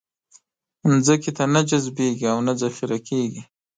ځمکې ته نه جذبېږي او نه ذخېره کېږي.